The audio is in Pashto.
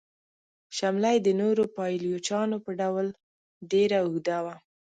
شمله یې د نورو پایلوچانو په ډول ډیره اوږده وه.